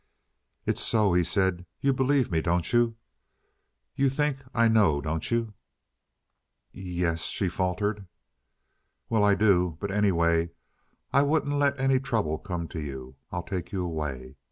"It's so," he said. "You believe me, don't you? You think I know, don't you?" "Yes," she faltered. "Well, I do. But anyway, I wouldn't let any trouble come to you. I'll take you away.